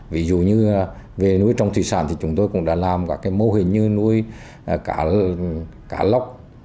ví dụ như về nuôi trồng thủy sản thì chúng tôi cũng đã làm các mô hình như nuôi cá lóc